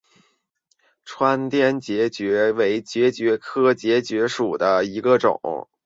川滇槲蕨为槲蕨科槲蕨属下的一个种。